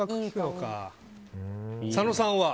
佐野さんは？